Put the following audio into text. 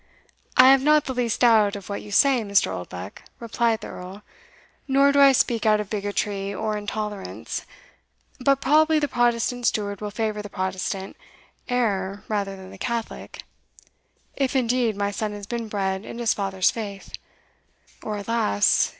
"I have not the least doubt of what you say, Mr. Oldbuck," replied the Earl, "nor do I speak out of bigotry or intolerance; but probably the Protestant steward will favour the Protestant heir rather than the Catholic if, indeed, my son has been bred in his father's faith or, alas!